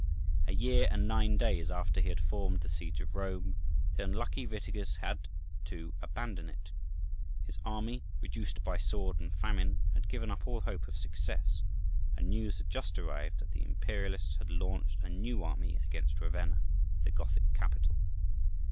A year and nine days after he had formed the siege of Rome, the unlucky Witiges had to abandon it. His army, reduced by sword and famine, had given up all hope of success, and news had just arrived that the Imperialists had launched a new army against Ravenna, the Gothic capital.